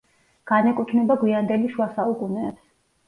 განეკუთვნება გვიანდელი შუა საუკუნეებს.